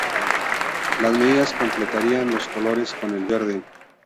Las medias completarían los colores, con el verde.